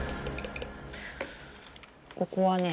ここはね